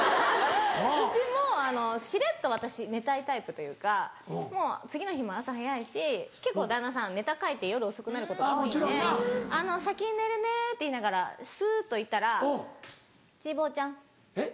うちもしれっと私寝たいタイプというかもう次の日も朝早いし結構旦那さんネタ書いて夜遅くなることが多いんで「先に寝るね」って言いながらスっと行ったら「ちーぼぉちゃん」。えっ？